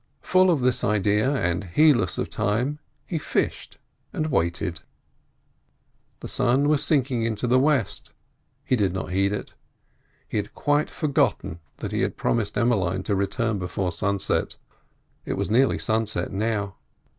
Full of this idea and heedless of time he fished and waited. The sun was sinking into the west—he did not heed it. He had quite forgotten that he had promised Emmeline to return before sunset; it was nearly sunset now.